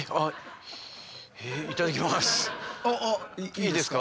いいですか。